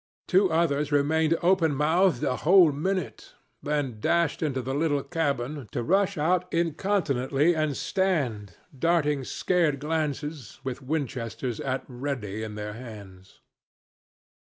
Two others remained open mouthed a whole minute, then dashed into the little cabin, to rush out incontinently and stand darting scared glances, with Winchesters at 'ready' in their hands.